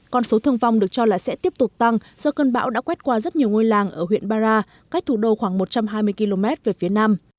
con số thương vong được cho là sẽ tiếp tục tăng do cơn bão đã quét qua rất nhiều ngôi làng ở huyện bara cách thủ đô khoảng một trăm hai mươi km về phía nam